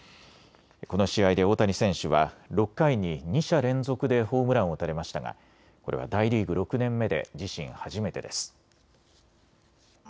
この試合で大谷選手は６回に２者連続でホームランを打たれましたが、これは大リーグ６年目で自身初めてです。